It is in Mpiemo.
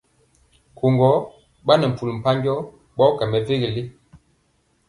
Kɔgɔ ɓa nɛ mpul mpanjɔ ɓɔɔ kyɛwɛ mɛvele.